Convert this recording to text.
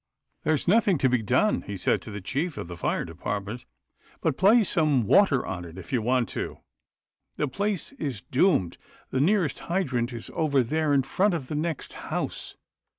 " There's nothing to be done," he said to the chief of the fire department, " but play some water on if you want to. The place is doomed — the nearest hydrant is over there in front of the next house."